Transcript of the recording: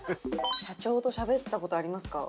社長としゃべった事ありますか？